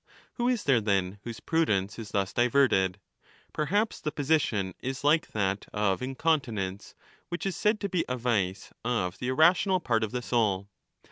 Who is there then whose prudence is thus diverted ? Perhaps the position is like that of incontinence, which is said to be a vice of the irrational part of the soul.